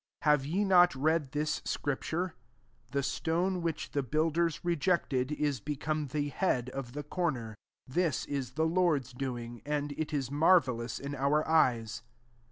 10 " Have ye not read this scripture ? The stone which the builders rejected, is become the head of the comer. 11 This is the Lord's doing ; and it is marvellous in our eyes."